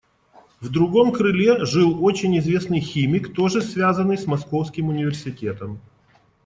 В другом крыле жил очень известный химик, тоже связанный с Московским университетом.